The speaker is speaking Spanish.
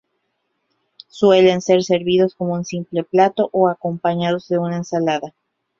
Suelen ser servidos como un simple plato o acompañados de una ensalada.